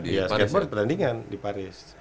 iya skateboard di pertandingan di paris